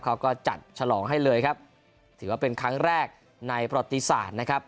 เขาก็จัดฉลองให้เลยครับถือว่าเป็นครั้งแรกในประติศาสตร์นะครับ